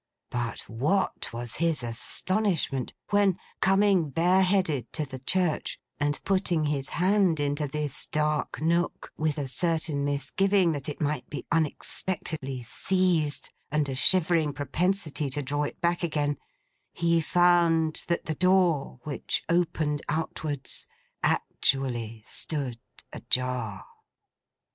But what was his astonishment when, coming bare headed to the church; and putting his hand into this dark nook, with a certain misgiving that it might be unexpectedly seized, and a shivering propensity to draw it back again; he found that the door, which opened outwards, actually stood ajar!